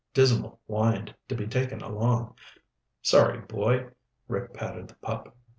Dismal whined to be taken along. "Sorry, boy." Rick patted the pup.